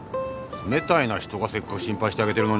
冷たいな人がせっかく心配してあげてるのに。